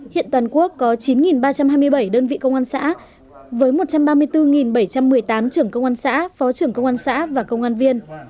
hiện toàn quốc có chín ba trăm hai mươi bảy đơn vị công an xã với một trăm ba mươi bốn bảy trăm một mươi tám trưởng công an xã phó trưởng công an xã và công an viên